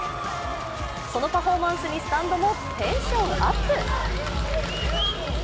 そのパフォーマンスにスタンドもテンションアップ。